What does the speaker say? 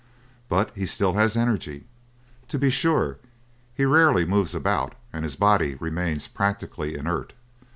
But he still has energy. To be sure, he rarely moves about and his body remains practically inert.